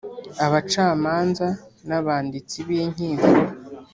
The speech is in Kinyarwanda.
Abacamanza n abanditsi b inkiko